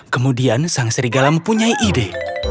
kemudian sang serigala mempunyai ide